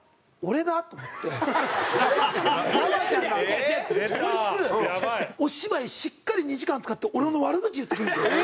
こいつこいつお芝居しっかり２時間使って俺の悪口言ってくるんですよ。